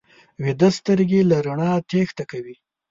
ویده سترګې له رڼا تېښته کوي